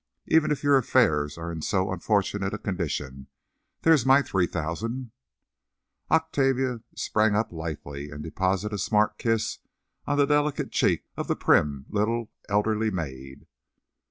Even if your affairs are in so unfortunate a condition, there is my three thousand—" Octavia sprang up lithely, and deposited a smart kiss on the delicate cheek of the prim little elderly maid.